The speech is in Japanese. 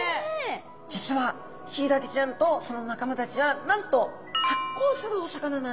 実はヒイラギちゃんとその仲間たちはなんと発光するお魚なんですね。